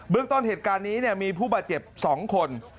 เรื่องต้นเหตุการณ์นี้มีผู้บาดเจ็บ๒คน